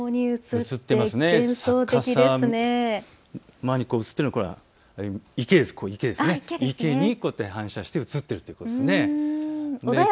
逆さまに映っているのは池に反射して映っているということです。